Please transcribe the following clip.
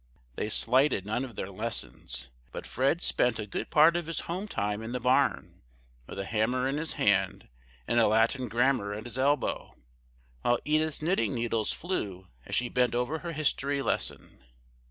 They slighted none of their lessons; but Fred spent a good part of his home time in the barn, with a hammer in his hand and a Latin grammar at his elbow; while Edith's knitting needles flew as she bent over her history lesson.